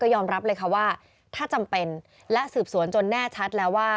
ยอมรับเลยค่ะว่าถ้าจำเป็นและสืบสวนจนแน่ชัดแล้วว่า